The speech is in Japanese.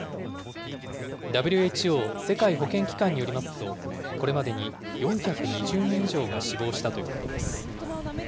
ＷＨＯ・世界保健機関によりますと、これまでに４２０人以上が死亡したということです。